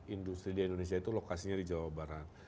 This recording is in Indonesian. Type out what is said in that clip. industri di indonesia itu lokasinya di jawa barat